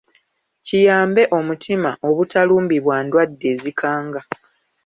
Kiyambe omutima obutalumbibwa ndwadde ezikanga.